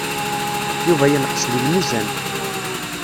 Yuba yenqes deg lmizan.